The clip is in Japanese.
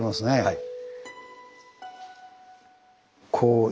はい。